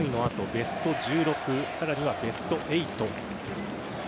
ベスト１６、さらにはベスト８。